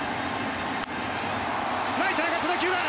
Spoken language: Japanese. ライトへ上がった打球だ。